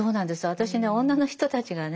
私ね女の人たちがね